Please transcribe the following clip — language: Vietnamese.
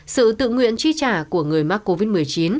sự tự nguyện chi trả của người mắc covid một mươi chín